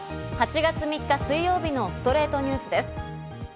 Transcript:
８月３日、水曜日の『ストレイトニュース』です。